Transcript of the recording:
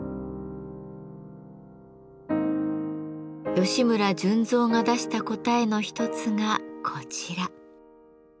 吉村順三が出した答えの一つがこちら。